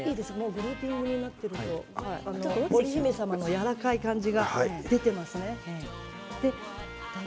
グルーピングになって織り姫さんのやわらかい感じが出ていますね。